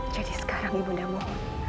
jadi sekarang ibu dah mau